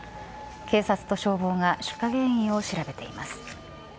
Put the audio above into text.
警察と消防が出火原因を調べています。